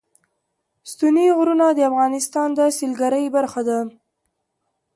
ستوني غرونه د افغانستان د سیلګرۍ برخه ده.